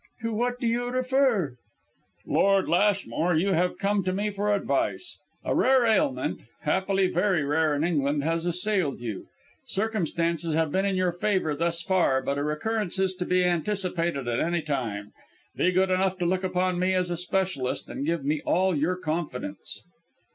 "To what do you refer?" "Lord Lashmore, you have come to me for advice. A rare ailment happily very rare in England has assailed you. Circumstances have been in your favour thus far, but a recurrence is to be anticipated at any time. Be good enough to look upon me as a specialist, and give me all your confidence."